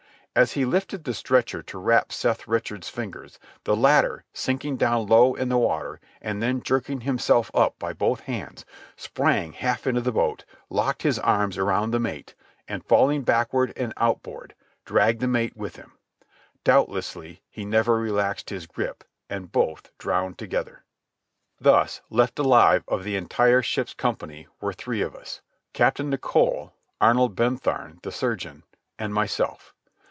As he lifted the stretcher to rap Seth Richards' fingers, the latter, sinking down low in the water and then jerking himself up by both hands, sprang half into the boat, locked his arms about the mate and, falling backward and outboard, dragged the mate with him. Doubtlessly he never relaxed his grip, and both drowned together. Thus left alive of the entire ship's company were three of us: Captain Nicholl, Arnold Bentham (the surgeon), and myself.